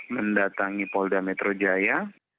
mendatangi polda metro jaya